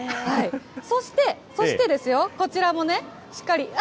そして、そしてですよ、こちらもね、しっかり。